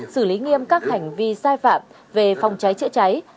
xử lý nghiêm các hành vi sai phạm về phòng cháy chữa cháy